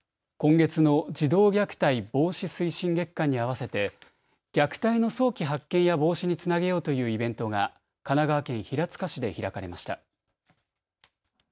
月間に合わせて虐待の早期発見や防止につなげようというイベントが神奈川県平塚市で開かれました。